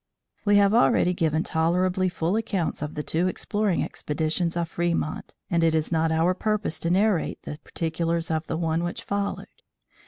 We have already given tolerably full accounts of the two exploring expeditions of Fremont, and it is not our purpose to narrate the particulars of the one which followed.